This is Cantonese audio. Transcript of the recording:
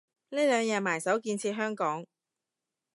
呢兩日埋首建設香港